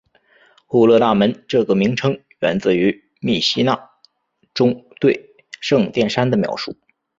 户勒大门这个名称源自于密西拿中对圣殿山的描述。